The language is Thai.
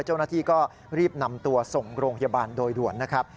เจ้าหน้าที่ก็รีบนำตัวส่งโรงพยาบาลโดยด่วนนะครับ